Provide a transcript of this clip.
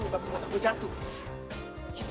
gue udah lupa gue jatuh